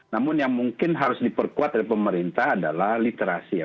namun yang mungkin harus diperkuat dari pemerintah adalah literasi ya